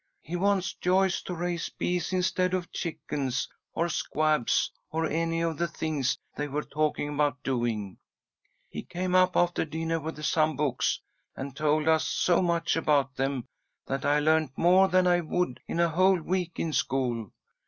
He wants Joyce to raise bees instead of chickens or squabs or any of the things they were talking about doing. He came up after dinner with some books, and told us so much about them, that I learned more than I would in a whole week in school.